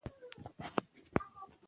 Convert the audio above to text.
ځنګل چاپېریال پاک ساتي.